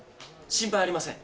心配ありません。